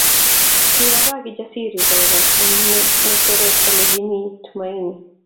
Kiwo gaa Kijasiri koru eng ngecheret Ole kimi Tumaini